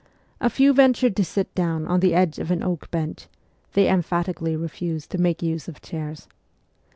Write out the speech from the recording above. A few ventured to sit down on the edge of an oak bench; they emphatically refused to make use of chairs.